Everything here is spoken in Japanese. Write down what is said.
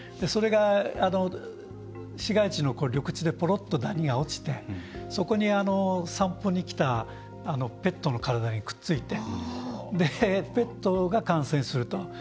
それが市街地の緑地でポロッとダニが落ちてそこに、散歩に来たペットの体にくっついてペットが感染すると。